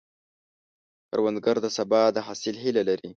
کروندګر د سبا د حاصل هیله لري